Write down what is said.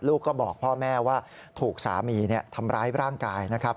ลูกก็บอกพ่อแม่ว่าถูกสามีทำร้ายร่างกายนะครับ